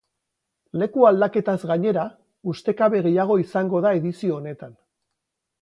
Leku aldaketaz gainera, ustekabe gehiago izango da edizio honetan.